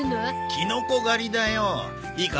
キノコ狩りだよ。いいか？